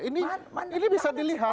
ini bisa dilihat